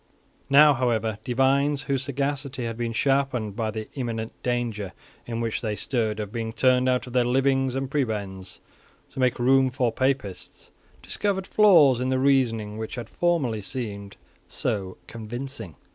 Now, however, divines, whose sagacity had been sharpened by the imminent danger in which they stood of being turned out of their livings and prebends to make room for Papists, discovered flaws in the reasoning which had formerly seemed so convincing.